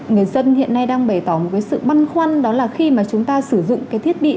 người dân hiện nay đang bày tỏ một cái sự băn khoăn đó là khi mà chúng ta sử dụng cái thiết bị